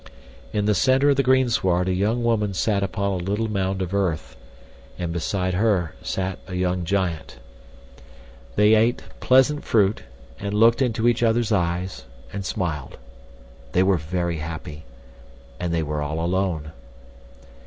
In the center of the greensward a young woman sat upon a little mound of earth, and beside her sat a young giant. They ate pleasant fruit and looked into each other's eyes and smiled. They were very happy, and they were all alone.